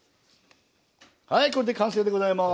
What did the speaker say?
はいこれで完成でございます！